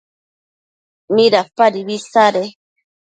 ¿midapadibi isade?